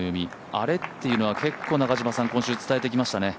あれっていうのは、今週結構伝えてきましたね。